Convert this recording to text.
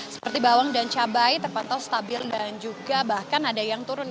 seperti bawang dan cabai terpantau stabil dan juga bahkan ada yang turun